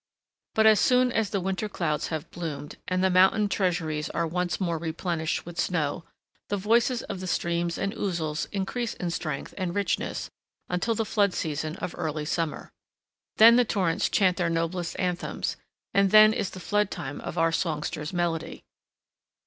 But as soon as the winter clouds have bloomed, and the mountain treasuries are once more replenished with snow, the voices of the streams and ouzels increase in strength and richness until the flood season of early summer. Then the torrents chant their noblest anthems, and then is the flood time of our songster's melody.